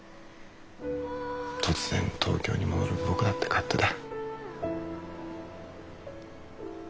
突然東京に戻る僕だって勝手だ。